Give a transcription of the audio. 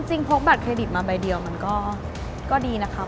พกบัตรเครดิตมาใบเดียวมันก็ดีนะครับ